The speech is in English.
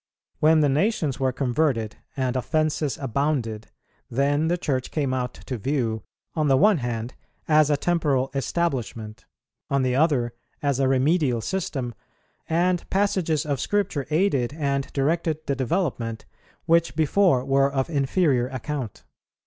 When the nations were converted and offences abounded, then the Church came out to view, on the one hand as a temporal establishment, on the other as a remedial system, and passages of Scripture aided and directed the development which before were of inferior account.